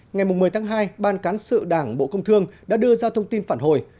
ngày một mươi tháng hai ban cán sự đảng bộ công thương đã đưa ra thông tin phản hồi